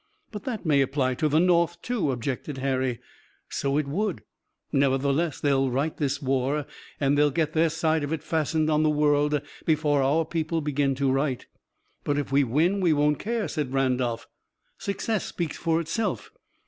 "But that may apply to the North, too," objected Harry. "So it would. Nevertheless they'll write this war, and they'll get their side of it fastened on the world before our people begin to write." "But if we win we won't care," said Randolph. "Success speaks for itself.